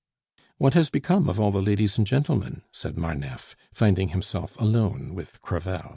"What has become of all the ladies and gentlemen?" said Marneffe, finding himself alone with Crevel.